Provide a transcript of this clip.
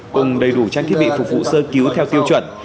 cùng đầy đủ trang thiết bị phục vụ sơ cứu theo tiêu chuẩn